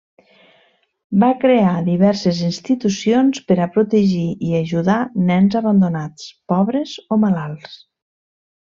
Va crear diverses institucions per a protegir i ajudar nens abandonats, pobres o malalts.